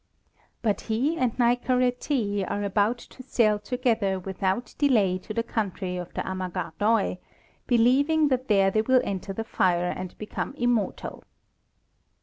But he and Nicaretê are about to sail together without delay to the country of the Amagardoi, believing that there they will enter the fire and become immortal.